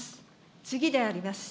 次であります。